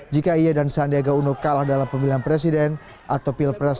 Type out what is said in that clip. jika ia dan sandiaga uno kalah dalam pemilihan presiden atau pilpres dua ribu sembilan